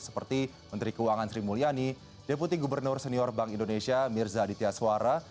seperti menteri keuangan sri mulyani deputi gubernur senior bank indonesia mirza aditya suara